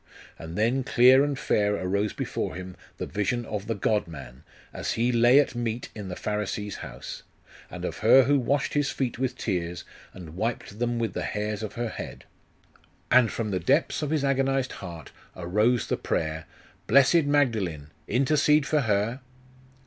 and then clear and fair arose before him the vision of the God man, as He lay at meat in the Pharisee's house; and of her who washed His feet with tears, and wiped them with the hairs of her head.... And from the depths of his agonised heart arose the prayer, 'Blessed Magdalene, intercede for her?